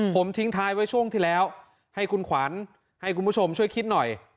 ผมทิ้งท้ายไว้ช่วงที่แล้วให้คุณขวัญให้คุณผู้ชมช่วยคิดหน่อย